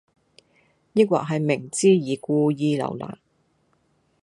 抑或係明知而故意留難?